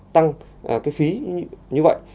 tăng cái phí như vậy